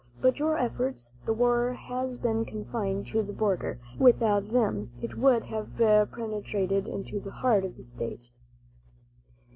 By your efforts, the war has been confined to the border; without them, it would have penetrated into the heart of the state.